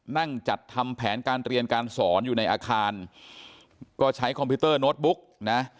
นั่งจัดทำแผนการเรียนการสอนอยู่ในอาคารก็ใช้คอมพิวเตอร์โน้ตบุ๊กนะ